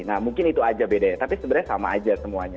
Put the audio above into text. nah mungkin itu aja bedanya tapi sebenarnya sama aja semuanya